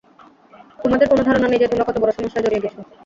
তোমাদের কোন ধারণা নেই যে তোমরা কতবড় সমস্যায় জড়িয়ে গেছো।